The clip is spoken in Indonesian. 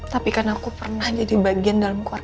tapi kan aku pernah jadi bagian dalam keluarga